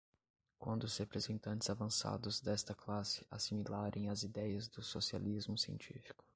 Quando os representantes avançados desta classe assimilarem as ideias do socialismo científico